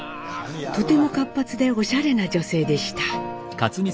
とても活発でおしゃれな女性でした。